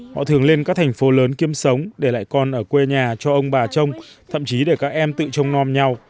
họ thường lên các thành phố lớn kiếm sống để lại con ở quê nhà cho ông bà trông thậm chí để các em tự trông non nhau